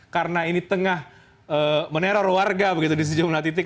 karena ini tengah meneror warga begitu di sejumlah titik